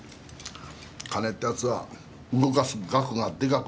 金ってやつは動かす額がでかく